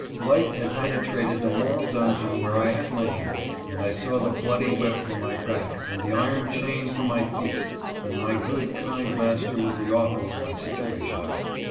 Light had penetrated the moral dungeon where I had lain, and I sawLthe„ bloody whip for my back and the iron chain for my feet, and my good, kind master was the author of my situation.